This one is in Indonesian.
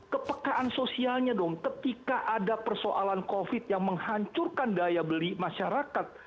kepekaan sosialnya dong ketika ada persoalan covid yang menghancurkan daya beli masyarakat